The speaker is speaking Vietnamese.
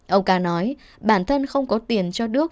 ông ca nói bản thân không có tiền cho đức